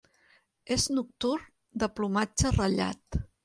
És nocturn, de plomatge ratllat.